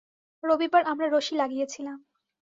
রবিবার আমরা রশি লাগিয়েছিলাম।